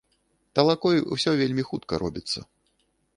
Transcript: Талакой усё вельмі хутка робіцца.